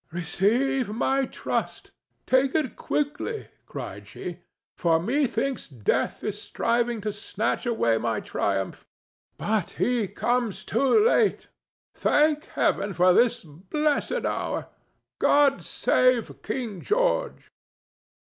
"Receive my trust! Take it quickly," cried she, "for methinks Death is striving to snatch away my triumph. But he comes too late. Thank Heaven for this blessed hour! God save King George!"